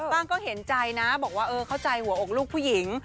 ก็เห็นใจนะบอกว่าเออเข้าใจหัวอกลูกผู้หญิง